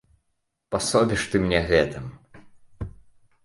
Пасобіш ты мне гэтым!